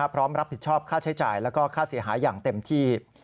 พร้อมรับผิดชอบค่าใช้จ่ายแล้วก็ค่าเสียหายอย่างเต็มที่